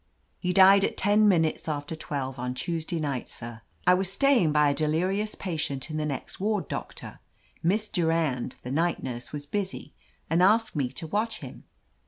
"He died at ten minutes after twelve on Tuesday night, sir. I was staying by a deliri ous patient in the next ward. Doctor. Miss Durand, the night nurse, was busy and asked me to watch him.